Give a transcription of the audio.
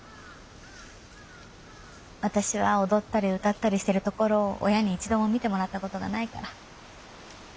私は踊ったり歌ったりしてるところを親に一度も見てもらったことがないから。